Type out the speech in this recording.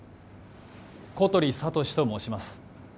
小鳥智志と申します